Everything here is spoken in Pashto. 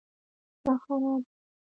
دا خراب دی